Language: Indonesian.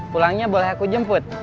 pulangnya boleh aku jemput